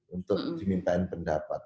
untuk diminta pendapat